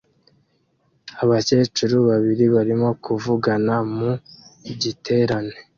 Abakecuru babiri barimo kuvugana mu giterane